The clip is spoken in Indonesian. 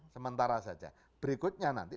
sementara saja berikutnya nanti